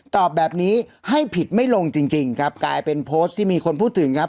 ตอบแบบนี้ให้ผิดไม่ลงจริงจริงครับกลายเป็นโพสต์ที่มีคนพูดถึงครับ